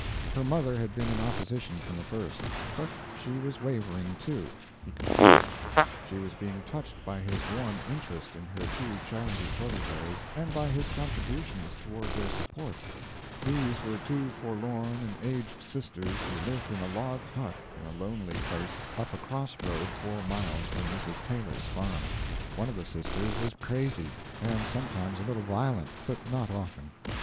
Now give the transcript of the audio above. Her mother had been in opposition from the first. But she was wavering, too; he could see it. She was being touched by his warm interest in her two charity proteges and by his contributions toward their support. These were two forlorn and aged sisters who lived in a log hut in a lonely place up a cross road four miles from Mrs. Taylor's farm. One of the sisters was crazy, and sometimes a little violent, but not often.